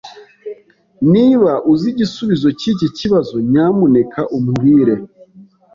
Niba uzi igisubizo cyiki kibazo, nyamuneka umbwire.